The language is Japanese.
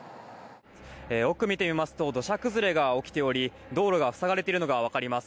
奥を見てみますと土砂崩れが起きており道路が塞がれているのがわかります。